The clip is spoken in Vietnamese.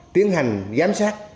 tiến hành giám sát